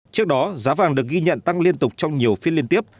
trước đó giá vàng được ghi nhận tăng liên tục trong nhiều phiên liên tiếp